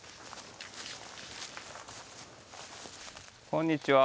こんにちは。